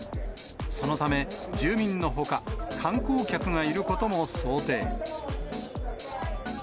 そのため、住民のほか、観光客がいることも想定。